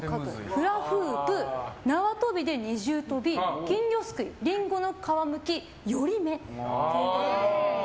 フラフープ縄跳びで二重跳び金魚すくい、リンゴの皮むき寄り目ということで。